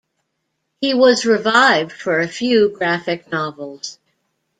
He was revived for a few graphic novels.